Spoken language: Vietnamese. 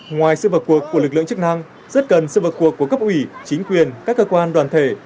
ngoài sự vật cuộc của lực lượng chức năng rất cần sự vật cuộc của cấp ủy chính quyền các cơ quan đoàn thể